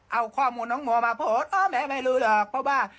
เอาข้อมูลน้องมัวมาโพสต์อ๋อแม่ไม่รู้หรอกเพราะว่า